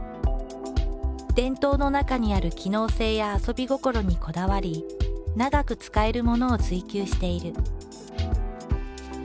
伝統の中にある機能性や遊び心にこだわり長く使えるものを追求している。